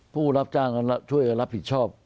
ผู้รับจ้างช่วยกันรับผิดชอบ